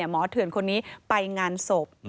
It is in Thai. หมอเถื่อนคนนี้ไปงานสบ